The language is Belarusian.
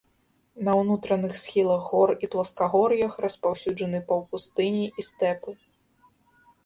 На ўнутраных схілах гор і пласкагор'ях распаўсюджаны паўпустыні і стэпы.